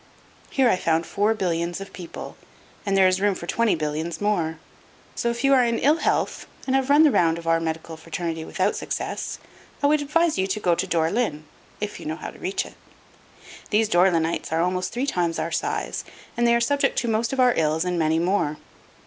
Here I found four billions of people and there is room for twenty billions more. So if you are in ill health, and have run the round of our medical fraternity without success, I would advise you to go to Dore lyn, if you know how to reach it. These Dore lynites are almost three times our size and they are subject to most of our ills and many more.